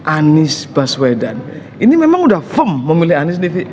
anies baswedan ini memang sudah fem memilih anies divi